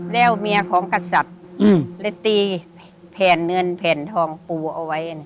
แล้วเมียของกษัตริย์เลยตีแผ่นเงินแผ่นทองปูเอาไว้